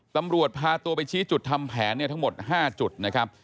ตำรวจพาตัวไปชี้จุดทำแผนทั้งหมด๕จุดนะครับ